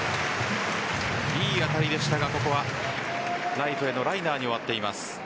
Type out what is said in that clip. いい当たりでしたがここはライトへのライナーに終わっています。